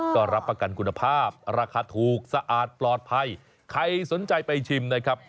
ก็รับประกันคุณภาพราคาถูกสะอาดปลอดภัยใครสนใจไปชิมนะครับ